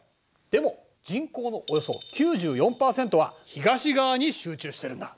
でも人口のおよそ９４％は東側に集中してるんだ。